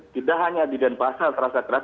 tidak hanya di denpasar terasa keras